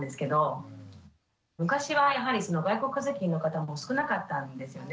昔はやはり外国籍の方も少なかったんですよね。